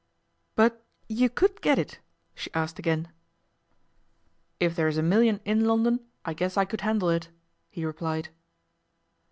'But you could get it?' she asked again. 'If there's a million in London I guess I could handle it,' he replied.